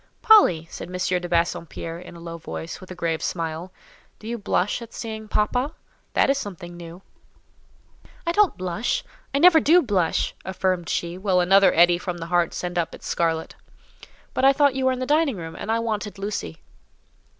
"Polly," said M. de Bassompierre, in a low voice, with a grave smile, "do you blush at seeing papa? That is something new." "I don't blush—I never do blush," affirmed she, while another eddy from the heart sent up its scarlet. "But I thought you were in the dining room, and I wanted Lucy."